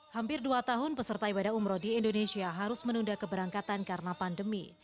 hampir dua tahun peserta ibadah umroh di indonesia harus menunda keberangkatan karena pandemi